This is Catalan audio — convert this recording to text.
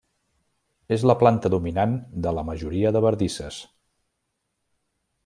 És la planta dominant de la majoria de bardisses.